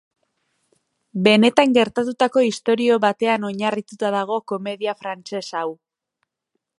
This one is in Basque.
Benetan gertatutako istorio batean oinarrituta dago komedia frantses hau.